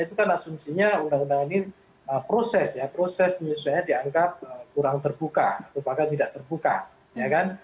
itu kan asumsinya undang undang ini proses ya proses penyesuaiannya dianggap kurang terbuka atau bahkan tidak terbuka ya kan